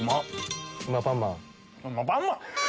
ウマパンマン。